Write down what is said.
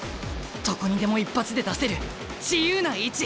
どこにでも一発で出せる自由な位置。